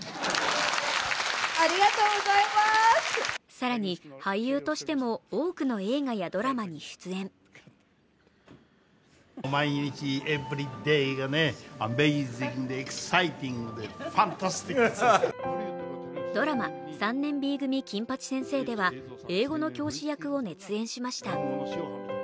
更に俳優としても多くの映画やドラマに出演ドラマ「３年Ｂ組金八先生」では英語の教師役を熱演しました。